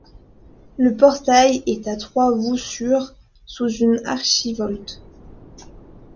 Le portail est à trois voussures sous une archivolte.